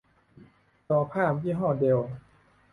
จอภาพยี่ห้อเดลล์